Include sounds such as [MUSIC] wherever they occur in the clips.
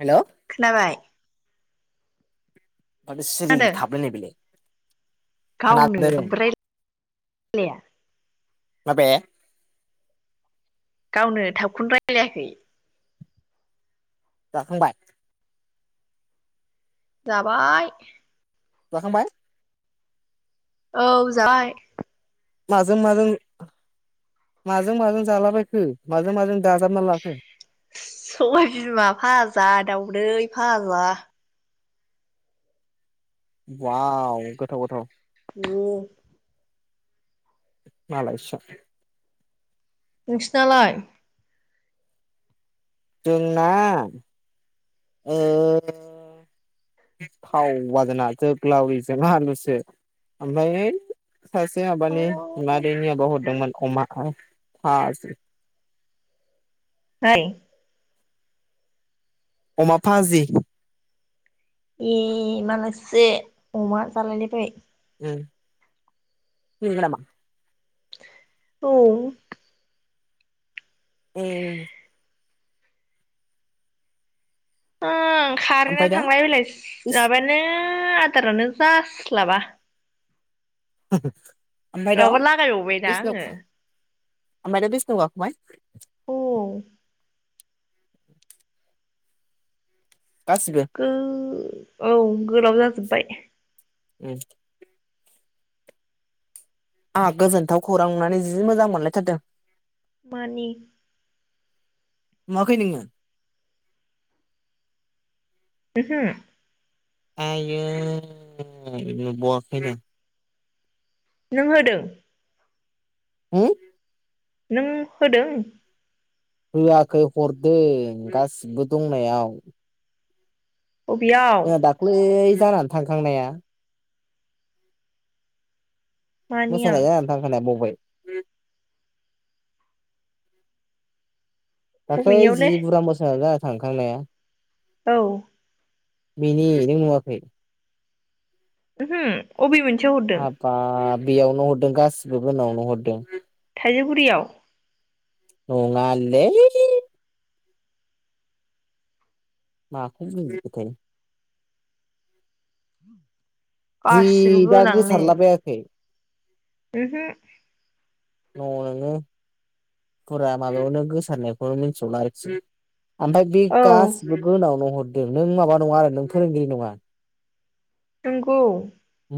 Hello खोनाबाय? माथो सिरि खोनादों थाबायलाय बिलाय। गावनो ओमफ्राय [UNINTELLIGIBLE] माबे? गावनो थाबखौनो रायलायाखै। जाखांबाय? जाबाय। जाखांबाय? औ जाबाय। माजों-माजों माजों-माजों जालाबायखो माजों-माजों सबाय बिमा भाजा दावदै। फाग्ला। वाव गोथाव गोथाव। [INAUDIBLE] मालायसो। नोंसिनालाय? जोंना ओ थावा जोंना जोग्लाविजों आलुसो ओमफ्राय [UNINTELLIGIBLE] सासे माबनि बिमादैनि आब हरदोंमोन। अमा [UNINTELLIGIBLE] फ्राय। अमा भाजि। ए मालायसो अमा जालायलायबाय। [UNINTELLIGIBLE] औ। ए। उम। ओमफ्राय खारेननानो दा थांलाय फैलाय सि इस माबानो दारानो जास्लाबा। [INAUDIBLE] माबा लागायबावबायदा आङो। ओमफाय दा बिसिनायाव गाखोबाय। औ गासिबो गो औ गोलाव जाजोब बाय। उम। आंहा गोजोनथाव खौरां नुनानै जि मोजां मोनलायथारदों। मानि? नुआखै नोङो। ओहो। आययो नुबवाखैनो। नों होदों। होम? नों होदों? होआखै हरदों गासिबो दंनायाव। बबेयाव आ दाखलै। जाना थांखांनाया। मानिया मोसानाय जानानै थांखानाया बावबाय दाखलै जि बबेनियावलै बुरा मोसा जा थांखांनाया औ बेनि नों नुवाखै उमहो अबे मोन हाब्बाब बेयावनो हरदों गासिबो गोनांयावनो हरदों बे गुडियाव नङा लै माखो [UNINTELLIGIBLE] जि गासिबो दा गोसारला बायाखै उमहो न' नोंङो फुरा माबायावनो गोसारनायखौनो मिन्थौला क्योंकि। ओमफाय बे औ गासिबो गोनांआवनो हर नों माबा नङा आरो नों फोरोंगिरि नङा? नंगौ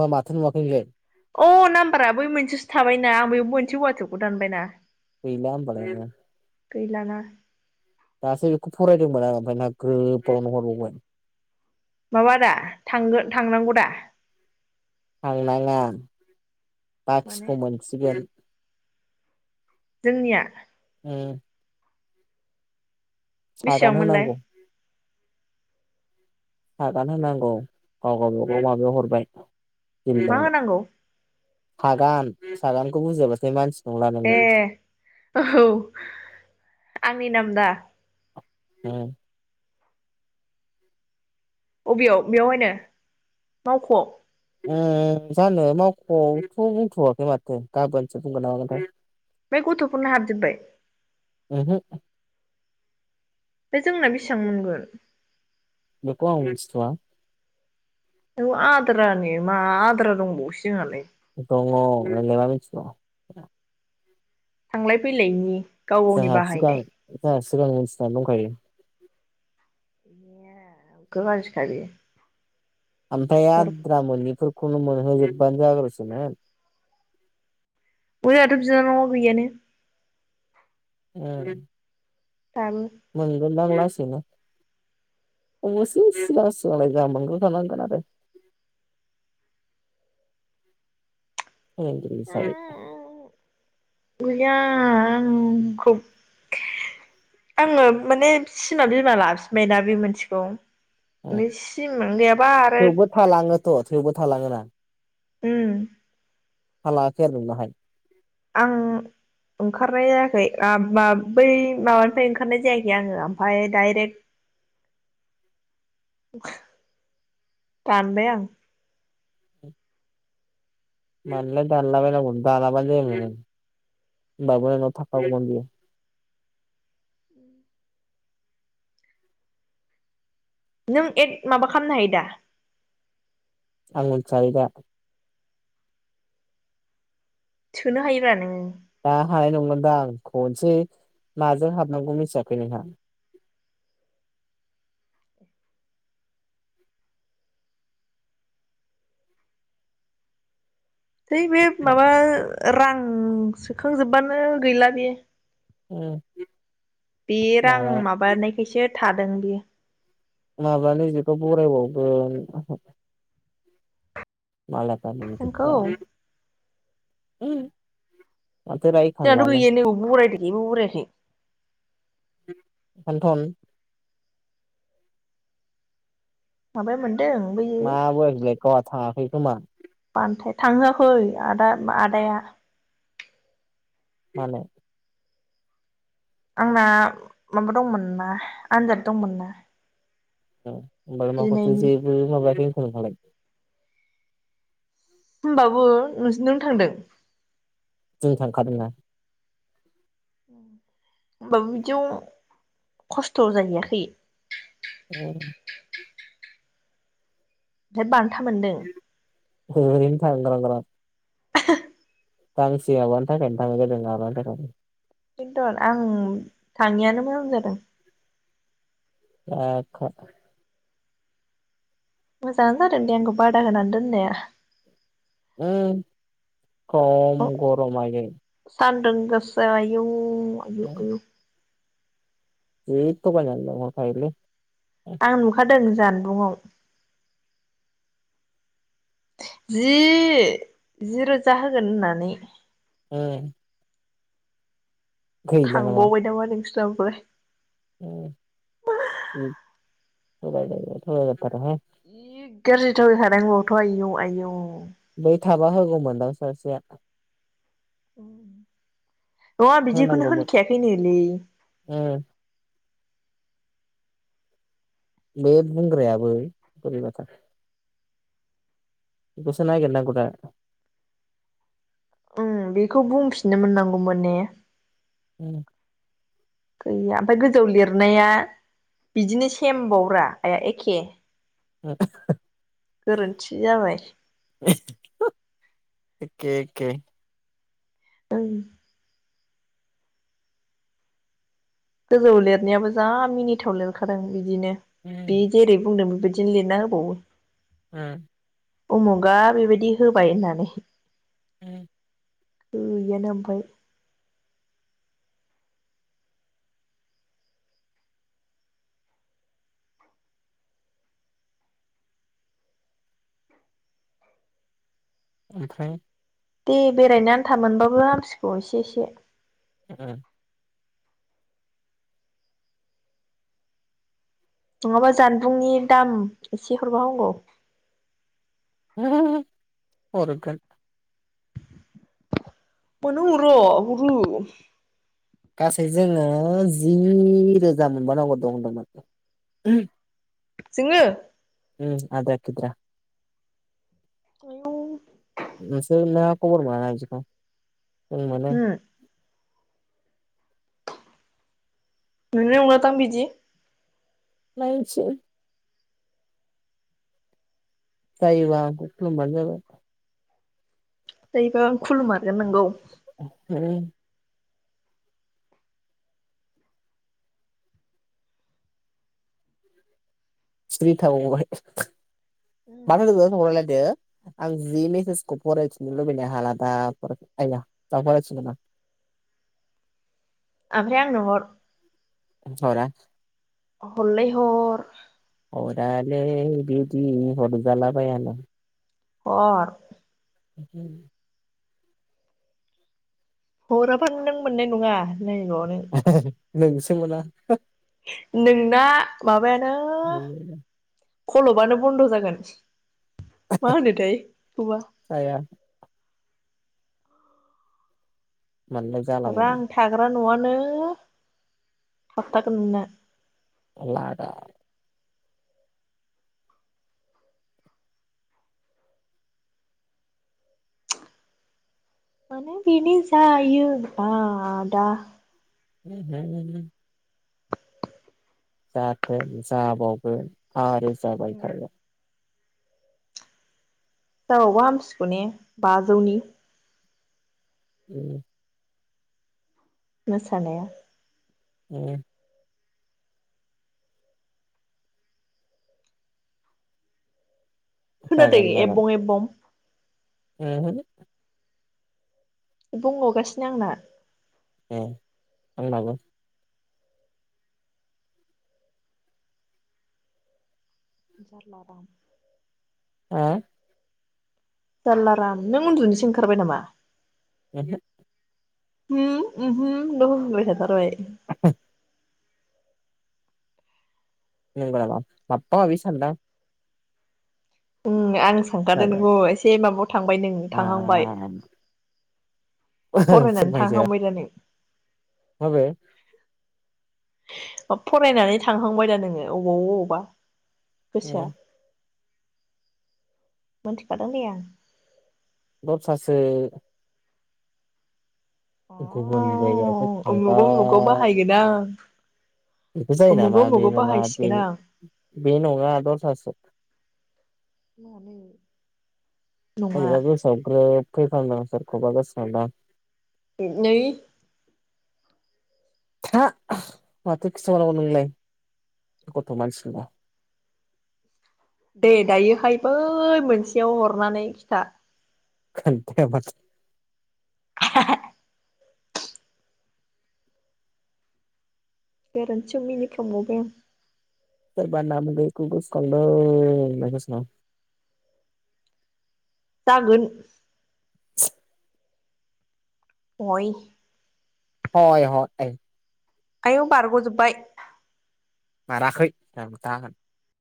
बा माथो नुवाखै नोंलाय अ नाम्बारा बै मोनसेसो थाबायना आं बै मोनसे वाटसएपखौ दानबायना। गैला ओमबालाय नोंङो गैला ना दासो बेखौ फरायदोंमोन आंङो ओमफ्राय नो ग्रोबावनो हरबावबाय माबा दा थांगो थांनांगौ दा थांनाङा माने बाखिखौ मोनसिगोन जोंनिया ओं सागान बेसेबांमोनलाय होनांगौ सागान होनांगौ गावबा गाव माबायाव हरबाय मा जिल्लायाव होनांगौ सागान सागानखौ बुजियाबासाय मानसि नंला नोङो ए औ आं मिनामदा उम अबेयाव बेयावहायनो मावखआव उम जानो मावखआवथ बुंथवाखै माथो गाबोनसो बुंगोन नामागोनथाय फ्राय गथफोरनो हाबजोबबाय ओहो बे जोंना बेसेबां मोनगोन? बेखौ आं मिथिथआ औ आद्रानि मा आद्रा दंबावोसो जोंहालाय दङ नोंलाय मा मिथिनो। थांलाय फैलायनि गाव गावनि [UNINTELLIGIBLE] सिगां बाहायनाय मिथिनानै दंखायो। [UNINTELLIGIBLE] ओमफ्राय आद्रा मोनै फोर खौनो मोनहो जोबबानो जाग्रोसैमोन। उइ आहाथ' बिनानावा गैया नों। उम [UNINTELLIGIBLE] मोनलां लासैनो अबसे सिगां सिगांलाय जा मोनग्रोखानांगोन आरो। [INAUDIBLE] गैया आंखौ आङो माने सिमा बिमा लाफिनबायना बे मोनसेखौ। नै सिमानो गैयाबा आरो थ' थेवबो थालाङो ना। उम थालांयाखै आरो नोंनाहाय? आं ओंखारनाय जायाखै आ मा बै माबानिफ्राय ओंखारनाय जायाखै आङो ओमफाय दाइरेक्ट दानबाय आं। मानोलाय दानलाबायनांगौ दानाबानो जायोमोन ना नों होनबाबो नोंनाव थाखागौमोन बियो। नों एक माबा खामनो हायो दा? आं मोनथियालै दा। सोनो हायोब्रा नोङो। दा हानाय नंलादां खनसे माजों हाबनांगौ मिथियाखै नोंहा? थै बे माबा रां सोखांजोबबानो गैला बेयो। उम बे रां माबानायखायसो थादों बियो। माब्लानो जेखौ बरायबावगोन। मालायफ्रा जोंखौ मोनजोबबाय। उम जाहाथ' गैयानो बरायदो जेबो बरायाखै। इखौथन माबा मोन मा बोयाखै बेलाय गावहा थाङाखै खोमा? बान्थाया थांहोआखै आदा आदाया। मानो? आंना माबा दंमोनना आनजाद दंमोन ना। उ होमबालाय माखौथ' जिनैनि जेबो माबाखै होनखो नोंहालाय होमबाबो नोंसोर नों थांदों जों थांखादोंना होनबाबो बिदियाव खस्थ' जाहैयाखै [UNINTELLIGIBLE] था मोनदों [UNINTELLIGIBLE] [UNINTELLIGIBLE] गांसे माबानि थाखायनो थांनाय जादों माबानि थाखायनो बेनथन आं थाङिनो मोजां जादों [UNINTELLIGIBLE] मोजाङानो जादों दे आंखौ बादा होनानै दोननाया ओम खम गरम आइयै थानदों गोसा आइयौ आयुु आयुु जि थगायना लिंहर खायो लै आं नुखादों जान बुंआव जि जि रोजा होगोन होननानै ओं थांबावबाय नामा नोंसोर जाबाय ओम ओम होबायना होआ थगायना थाथोंहाय जि गाज्रि थगाय खादों होनबाबोथ आयौ आयौ बै थाबा होगौमोनदां सासेया औ नङा बिदिखौनो होनांगौमोन होनखाया खै नो लै उम बे बुंग्रायाबो बोरै बाथार बेखौसो नागेर नांगौ दा उम बेखौ बुंफिननो मोननांगौमोन ने। ओम गैया ओमफ्राय गोजौ लिरनाया बिदिनो सेमबावब्रा आइया एखे [UNINTELLIGIBLE] गोरोन्थि जाबाय [UNINTELLIGIBLE] एके एके ओं गोजौ लिरनायाबो जा मिनिथाव लिरखादों। बिदिनो बि जेरै बुंदों बेबायदि दिनो लिर ना होबावो ओम उमुगा ओरैबादि होबाय होननानै। उम गैयानो आमफ्राय ओमफ्राय दे बेरायनो आन्था मोनबाबो हामसिगौ एसे एसे। [UNINTELLIGIBLE] नङाबा जानबुंनि दाम एसे हरबा हामगौ [UNINTELLIGIBLE] हरगोन मानो हरा हरो गासै जोङो जि रोजा मोनबानांगौ दं होन्दोंमोन जोङो? उम आद्रा खिद्रा [UNINTELLIGIBLE] नोंसोरना खबर मोना ना इदिखौ? जों मोनो मोनाय नङा दां बिदि नायनोसै जायोबा आंखौ खुलुमबानो जाबाय जायोबा आं खुलुमारगोन नोंगौ [UNINTELLIGIBLE] स्रि थाबावबाय [UNINTELLIGIBLE] दायो आं जि मेसेजखौ फरायथिनो लुबैनो हालादा [UNINTELLIGIBLE] दा फरायफिनगोन आं आमफ्राय आंनो हर हरा हरलै हर हरालै बिदि हर जला बायानो हर [UNINTELLIGIBLE] हराबानो नों मोननाय नङा। नै न'आवनो नोंसो मोना नोंना माबायानो [UNINTELLIGIBLE] खलबानो बन्द' जागोन। मा होनोथाय जाया मानोना जालाङो रां थाग्रा नआनो नो थाबथागोन नोंना [UNINTELLIGIBLE] मानो बिदि जायो आदा [UNINTELLIGIBLE] जाथों जाबावगोन आरो जाबाय थागोन जाबावबा हामसिगौ ने बाजौनि उम मोसानाया औ खोनादै जागोन जागोन एफबं-एफबं ओहो बुंबावगासिनो आंना होम आंनाबो जारला दा हा जारलाराम नों उन्दुनोसो ओंखारबाय नामा? उमहो होम उमहो ल' होनबाय थाथारबाय [INAUDIBLE] नै बाला माबा माबि सानदां उम आं सानखादों आरो नोंखौ एसे माबा थांबाय नों आ थांहांबाय फरायनानै फोरमायजाया थांखांबाय दा नों? माबे फरायनानै थांहांबाय दा नोङो अबाव-अबावबा गोसोया मोनथिखादों दे आं दसासो अ गुबनि जायगा थांबा उमुगाव उमुगाव बाहायगोन आं बेखौ जायो नामा उमुगाव बे उमुगाव नङा बे बाहायसिगोन आं बे नङा दस्रासो मानो अबेबा बेसयाव ग्रोब फै खांदों सोरखौबा गोसो खांदों आं बि नै था माथो खिथाबावनांगौ नोंनोलाय गथ' मानसिखौबा दे दायोहाय बै मोनसेयाव हरनानै खिथा खोनथायामाथो [UNINTELLIGIBLE] गोरोन्थियाव मिनिफ्लांबावबाय आं सोरबा नाम गैयैखौ गोसो खांदोंना गोसो खाङां जागोन अय [UNINTELLIGIBLE] आयौ बारग'जोबबाय [UNINTELLIGIBLE]